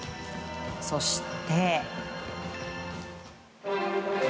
そして。